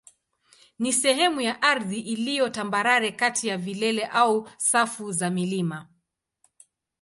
ni sehemu ya ardhi iliyo tambarare kati ya vilele au safu za milima.